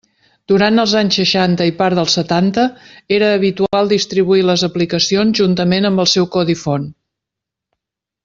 Durant els anys seixanta i part dels setanta era habitual distribuir les aplicacions juntament amb el seu codi font.